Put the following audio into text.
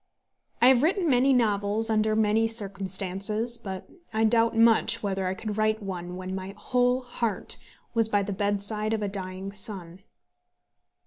I have written many novels under many circumstances; but I doubt much whether I could write one when my whole heart was by the bedside of a dying son.